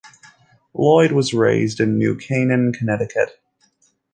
Lloyd was raised in New Canaan, Connecticut.